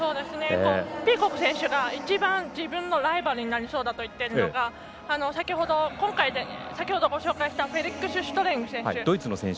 ピーコック選手が一番自分のライバルになりそうだと言っているのが先ほどご紹介したフェリクス・シュトレング選手。